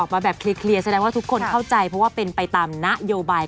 เพราะว่าเป็นไปตามนโยบาย